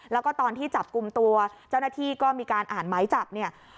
แล้วก็ตอนที่จับกลุ่มตัวเจ้าหน้าที่ก็มีการอ่านไม้จับเนี่ย